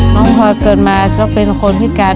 น้องพ่อเกิดมาเขาเป็นคนพิการ